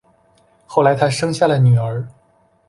后来他生下了女儿